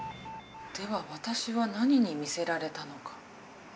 では私は何に魅せられたのか。